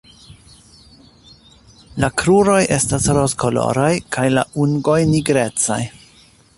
La kruroj estas rozkoloraj kaj la ungoj nigrecaj.